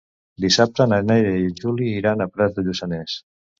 Dissabte na Neida i en Juli aniran a Prats de Lluçanès.